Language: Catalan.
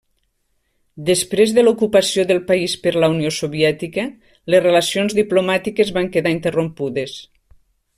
Després de l'ocupació del país per la Unió Soviètica les relacions diplomàtiques van quedar interrompudes.